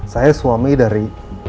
saya suami dari